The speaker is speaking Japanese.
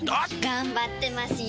頑張ってますよ！